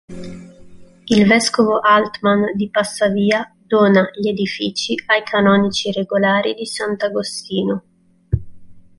Il vescovo Altmann di Passavia dona gli edifici ai Canonici regolari di Sant'Agostino.